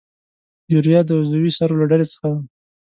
یوریا د عضوي سرو له ډلې څخه ده.